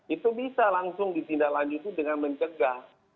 itu bisa langsung ditindaklanjuti dengan mencegah